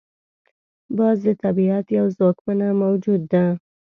باز د طبیعت یو ځواکمنه موجود ده